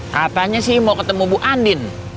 katanya sih mau ketemu bu andin